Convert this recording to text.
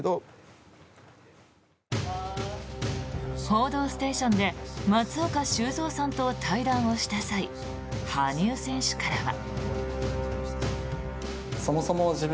「報道ステーション」で松岡修造さんと対談をした際羽生選手からは。